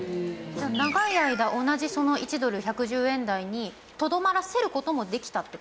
じゃあ長い間同じその１ドル１１０円台にとどまらせる事もできたって事ですか？